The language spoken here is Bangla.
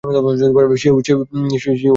সেও এর সাক্ষী ছিল।